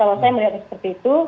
kalau saya melihatnya seperti itu